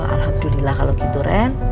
alhamdulillah kalau gitu ren